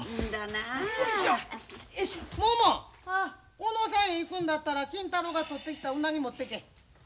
小野さんへ行くんだったら金太郎が取ってきたウナギ持ってけ。